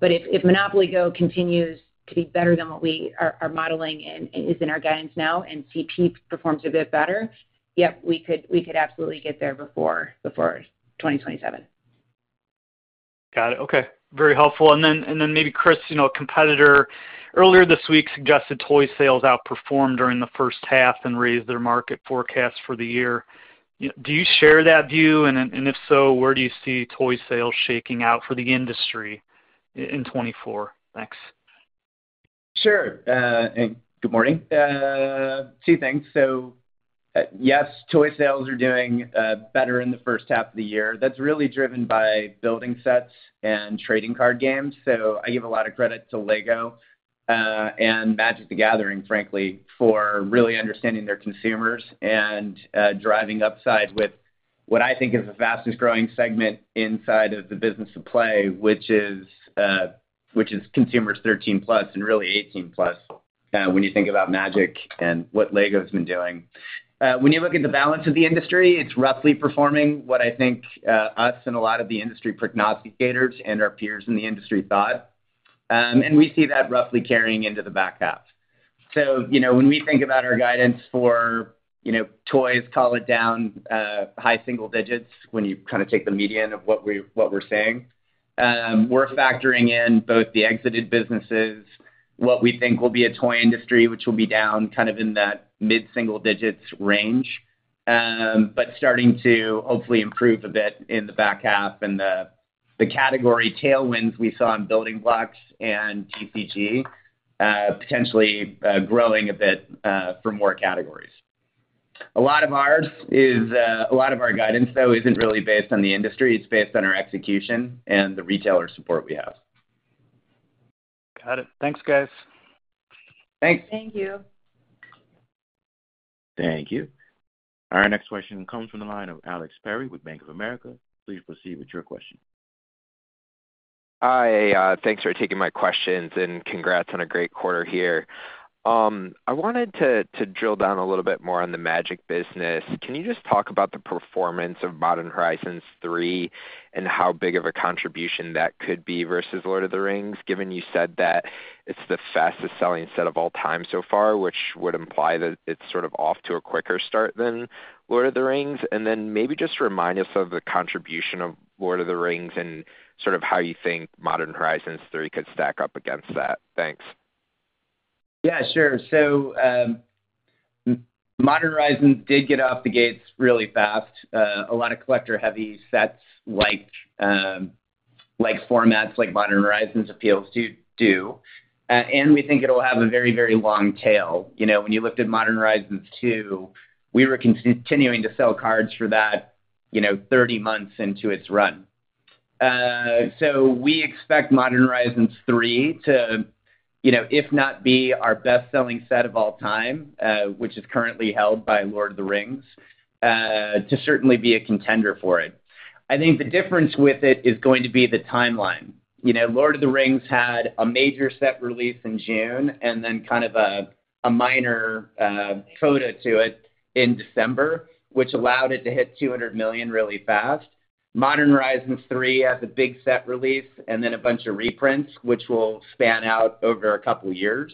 But if MONOPOLY GO! continues to be better than what we are modeling and is in our guidance now, and CP performs a bit better, yep, we could absolutely get there before 2027. Got it. Okay. Very helpful. And then, and then maybe, Chris, you know, a competitor earlier this week suggested toy sales outperformed during the first half and raised their market forecast for the year. You know, do you share that view? And then, and if so, where do you see toy sales shaking out for the industry in 2024? Thanks. Sure, and good morning. Two things. So, yes, toy sales are doing better in the first half of the year. That's really driven by building sets and trading card games. So I give a lot of credit to LEGO, and Magic: The Gathering, frankly, for really understanding their consumers and driving upside with what I think is the fastest growing segment inside of the business of play, which is consumers 13+ and really 18+, when you think about Magic and what LEGO's been doing. When you look at the balance of the industry, it's roughly performing what I think us and a lot of the industry prognosticators and our peers in the industry thought. And we see that roughly carrying into the back half. So you know, when we think about our guidance for, you know, toys, call it down high single digits, when you kind of take the median of what we're saying, we're factoring in both the exited businesses, what we think will be a toy industry, which will be down kind of in that mid-single digits range, but starting to hopefully improve a bit in the back half and the category tailwinds we saw in building blocks and TCG, potentially growing a bit for more categories. A lot of ours is a lot of our guidance, though, isn't really based on the industry. It's based on our execution and the retailer support we have. Got it. Thanks, guys. Thanks. Thank you. Thank you. Our next question comes from the line of Alex Perry with Bank of America. Please proceed with your question. Hi, thanks for taking my questions, and congrats on a great quarter here. I wanted to drill down a little bit more on the Magic business. Can you just talk about the performance of Modern Horizons 3, and how big of a contribution that could be versus Lord of the Rings, given you said that it's the fastest-selling set of all time so far, which would imply that it's sort of off to a quicker start than Lord of the Rings? And then maybe just remind us of the contribution of Lord of the Rings and sort of how you think Modern Horizons 3 could stack up against that. Thanks. Yeah, sure. So, Modern Horizons did get out the gates really fast. A lot of collector-heavy sets like, like formats like Modern Horizons appeals to, do. And we think it'll have a very, very long tail. You know, when you looked at Modern Horizons 2, we were continuing to sell cards for that, you know, 30 months into its run. So we expect Modern Horizons 3 to, you know, if not be our best-selling set of all time, which is currently held by Lord of the Rings, to certainly be a contender for it. I think the difference with it is going to be the timeline. You know, Lord of the Rings had a major set release in June and then kind of a minor coda to it in December, which allowed it to hit $200 million really fast. Modern Horizons 3 has a big set release and then a bunch of reprints, which will span out over a couple of years.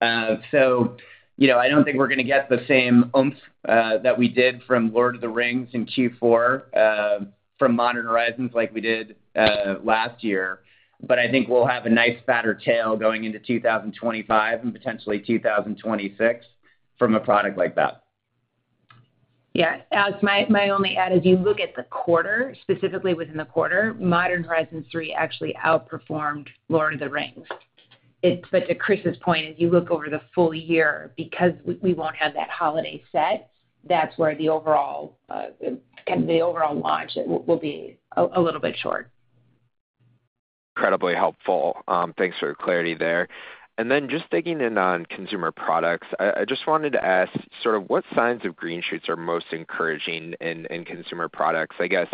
So, you know, I don't think we're going to get the same oomph, that we did from Lord of the Rings in Q4, from Modern Horizons like we did, last year, but I think we'll have a nice, fatter tail going into 2025 and potentially 2026 from a product like that. Yeah. As my only add, as you look at the quarter, specifically within the quarter, Modern Horizons 3 actually outperformed Lord of the Rings. It's, but to Chris's point, as you look over the full year, because we won't have that holiday set, that's where the overall, kind of the overall launch will be a little bit short. Incredibly helpful. Thanks for the clarity there. And then just digging in on consumer products, I just wanted to ask, sort of what signs of green shoots are most encouraging in consumer products? I guess,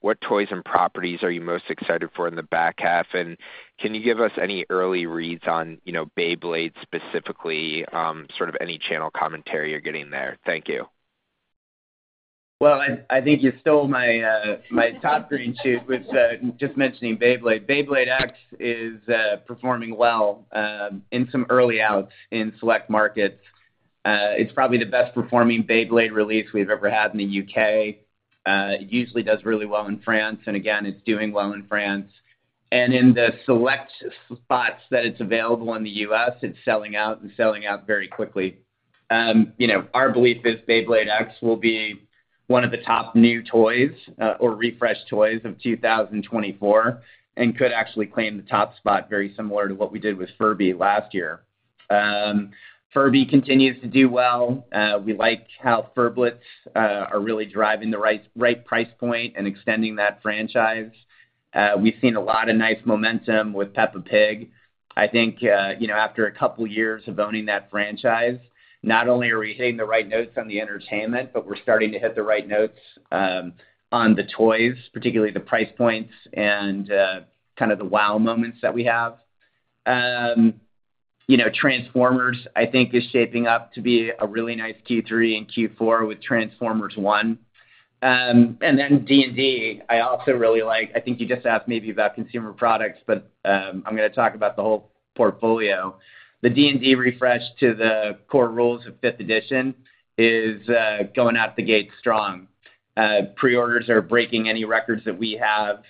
what toys and properties are you most excited for in the back half? And can you give us any early reads on, you know, Beyblade specifically, sort of any channel commentary you're getting there? Thank you. Well, I think you stole my top green shoot, which just mentioning Beyblade. Beyblade X is performing well in some early outs in select markets. It's probably the best performing Beyblade release we've ever had in the U.K. It usually does really well in France, and again, it's doing well in France. And in the select spots that it's available in the U.S., it's selling out and selling out very quickly. You know, our belief is Beyblade X will be one of the top new toys or refreshed toys of 2024, and could actually claim the top spot very similar to what we did with Furby last year. Furby continues to do well. We like how Furblets are really driving the right price point and extending that franchise. We've seen a lot of nice momentum with Peppa Pig. I think, you know, after a couple of years of owning that franchise, not only are we hitting the right notes on the entertainment, but we're starting to hit the right notes on the toys, particularly the price points and kind of the wow moments that we have. You know, Transformers, I think, is shaping up to be a really nice Q3 and Q4 with Transformers One. And then D&D, I also really like. I think you just asked maybe about consumer products, but I'm going to talk about the whole portfolio. The D&D refresh to the core rules of Fifth Edition is going out the gate strong. Pre-orders are breaking any records that we have.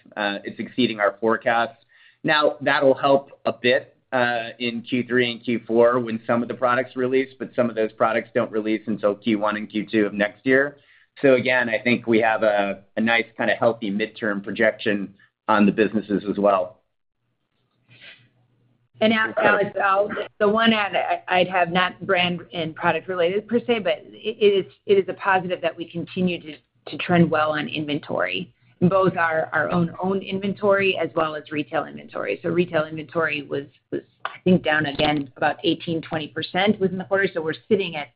It's exceeding our forecasts. Now, that'll help a bit, in Q3 and Q4 when some of the products release, but some of those products don't release until Q1 and Q2 of next year. So again, I think we have a nice, kind of healthy midterm projection on the businesses as well. And Alex, the one add I'd have, not brand and product related per se, but it is a positive that we continue to trend well on inventory, in both our own inventory as well as retail inventory. So retail inventory was, I think, down again about 18%-20% within the quarter. So we're sitting at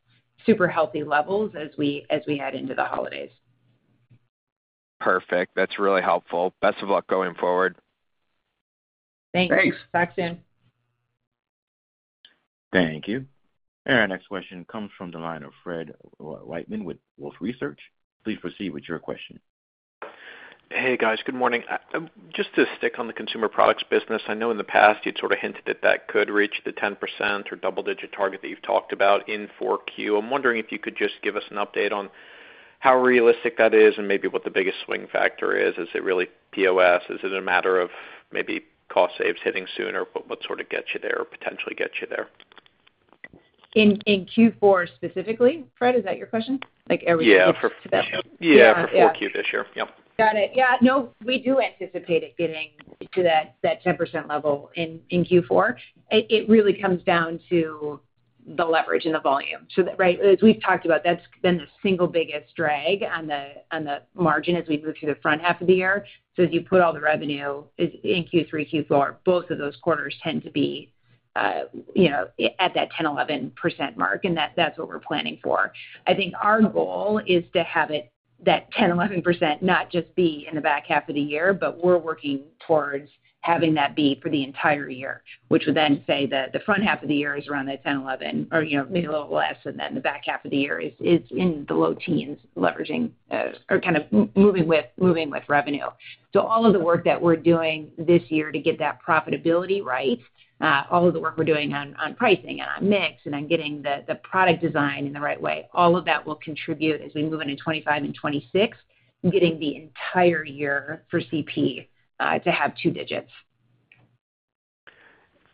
super healthy levels as we head into the holidays. Perfect. That's really helpful. Best of luck going forward. Thanks. Thanks. Talk soon. Thank you. Our next question comes from the line of Fred Wightman with Wolfe Research. Please proceed with your question. Hey, guys. Good morning. Just to stick on the consumer products business, I know in the past you'd sort of hinted that that could reach the 10% or double-digit target that you've talked about in 4Q. I'm wondering if you could just give us an update on how realistic that is and maybe what the biggest swing factor is. Is it really POS? Is it a matter of maybe cost saves hitting sooner? But what sort of gets you there or potentially gets you there? In Q4 specifically, Fred, is that your question? Like every- Yeah, for Q. Yeah, for 4Q this year. Yep. Got it. Yeah. No, we do anticipate it getting to that, that 10% level in, in Q4. It, it really comes down to the leverage and the volume. So that... Right, as we've talked about, that's been the single biggest drag on the, on the margin as we move through the front half of the year. So as you put all the revenue in, in Q3, Q4, both of those quarters tend to be, you know, at that 10%, 11% mark, and that's, that's what we're planning for. I think our goal is to have it, that 10%-11%, not just be in the back half of the year, but we're working towards having that be for the entire year, which would then say that the front half of the year is around the 10%-11% or, you know, maybe a little less, and then the back half of the year is in the low teens, leveraging or kind of moving with, moving with revenue. So all of the work that we're doing this year to get that profitability right, all of the work we're doing on pricing and on mix, and on getting the product design in the right way, all of that will contribute as we move into 2025 and 2026, getting the entire year for CP to have two digits.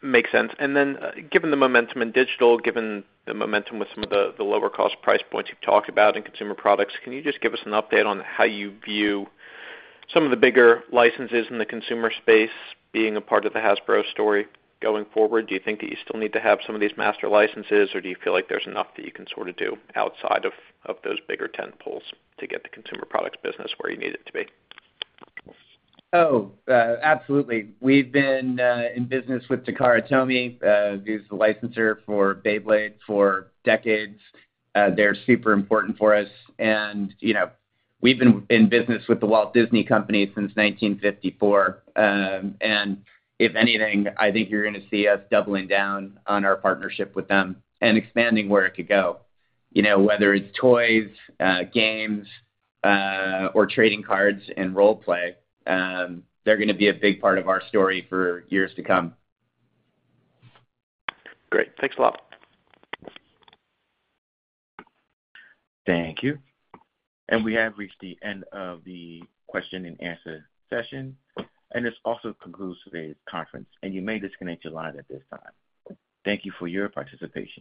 Makes sense. And then, given the momentum in digital, given the momentum with some of the lower cost price points you've talked about in consumer products, can you just give us an update on how you view some of the bigger licenses in the consumer space being a part of the Hasbro story going forward? Do you think that you still need to have some of these master licenses, or do you feel like there's enough that you can sort of do outside of those bigger tentpoles to get the consumer products business where you need it to be? Oh, absolutely. We've been in business with Takara Tomy, who's the licenser for Beyblade, for decades. They're super important for us, and, you know, we've been in business with the Walt Disney Company since 1954. And if anything, I think you're going to see us doubling down on our partnership with them and expanding where it could go. You know, whether it's toys, games, or trading cards and role play, they're going to be a big part of our story for years to come. Great. Thanks a lot. Thank you. We have reached the end of the question and answer session, and this also concludes today's conference, and you may disconnect your line at this time. Thank you for your participation.